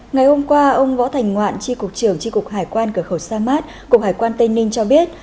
ngày hôm qua ông võ thành ngoạn chi cục trưởng chi cục hải quan cửa khẩu samad cục hải quan tây ninh cho biết